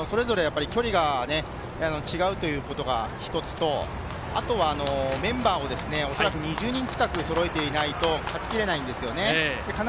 距離が違うということが１つと、あとはメンバーを２０人、近くそろえていないと勝ちきれないんです。